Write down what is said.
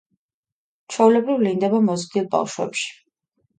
ჩვეულებრივ ვლინდება მოზრდილ ბავშვებში.